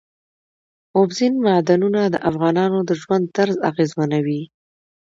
اوبزین معدنونه د افغانانو د ژوند طرز اغېزمنوي.